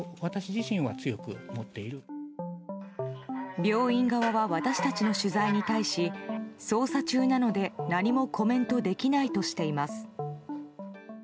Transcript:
病院側は私たちの取材に対し捜査中なので、何もコメントできないとしています。